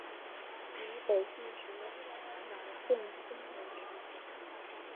以北宋时的饶洞天为始祖。